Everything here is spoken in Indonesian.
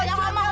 udah gue mau